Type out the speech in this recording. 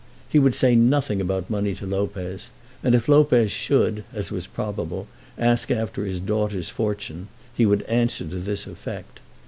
He would say nothing about money to Lopez, and if Lopez should, as was probable, ask after his daughter's fortune, he would answer to this effect.